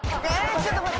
ちょっと待って。